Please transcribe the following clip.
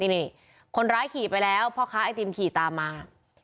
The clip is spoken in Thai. นี่คนร้ายขี่ไปแล้วพ่อค้าไอติมขี่ตามมา